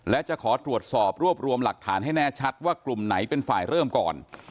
และจะขอตรวจสอบรวบรวมหลักฐานให้แน่ชัดว่ากลุ่มไหนเป็นฝ่ายเริ่มก่อน